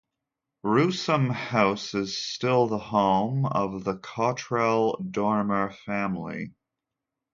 Rousham House is still the home of the Cottrell-Dormer family.